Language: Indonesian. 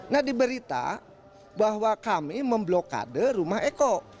nah diberita bahwa kami memblokade rumah eko